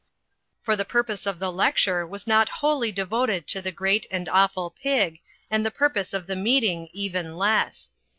For the purpose of the lecture was not wholly de voted to the great and awful Pig, and the purpose of the meeting even less.